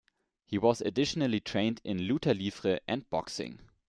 He was additionally trained in Luta Livre and Boxing.